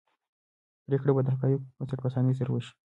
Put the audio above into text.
پرېکړه به د حقایقو پر بنسټ په اسانۍ سره وشي.